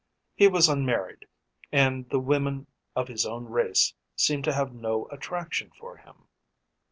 He was unmarried, and the women of his own race seemed to have no attraction for him.